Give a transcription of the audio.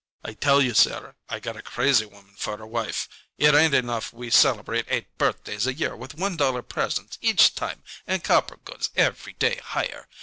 "I tell you, Sarah, I got a crazy woman for a wife! It ain't enough we celebrate eight birthdays a year with one dollar presents each time and copper goods every day higher.